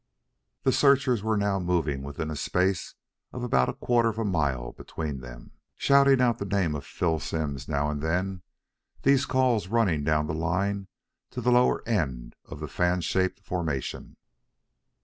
The searchers were now moving with a space of about a quarter of a mile between them, shouting out the name of Phil Simms now and then, these calls running down the line to the lower end of the fan shaped formation.